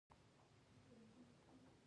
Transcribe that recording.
غرمه د ذهن د سکون جشن دی